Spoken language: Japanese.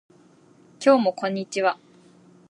今日もこんにちは